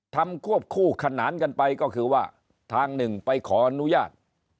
ควบคู่ขนานกันไปก็คือว่าทางหนึ่งไปขออนุญาต